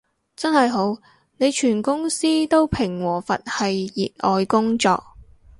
真係好，你全公司都平和佛系熱愛工作